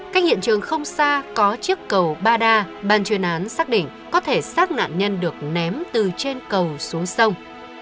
cách hiện trường không xa có chiếc cầu ba đa ban chuyên án xác định có thể xác nạn nhân được ném từ trên cầu xuống sông